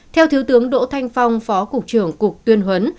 theo thiếu tướng đỗ thanh phong phó cục trưởng cục tuyên huấn